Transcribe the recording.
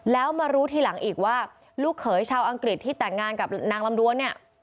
แล้วมารู้ทีหลังอีกว่าลูกเขยชาวอังกฤษที่แต่งงานกับนางลำดวนเนี่ย